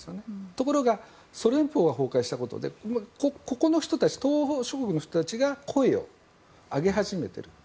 ところがソ連邦が崩壊したことでここの人たち東欧諸国の人たちが声を上げ始めている。